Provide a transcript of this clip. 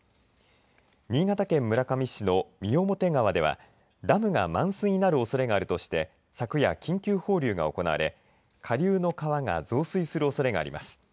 新潟県村上市の三面川ではダムが満水になるおそれがあるとして昨夜緊急放流が行われ下流の川が増水するおそれがあります。